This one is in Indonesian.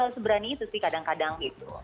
seberani itu sih kadang kadang gitu